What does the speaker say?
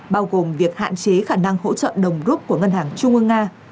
bao gồm việc hạn chế khả năng hỗ trợ đồng rút của ngân hàng trung ương nga